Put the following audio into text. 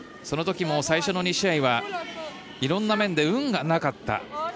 そのときも最初の２試合はいろんな面で運がなかった。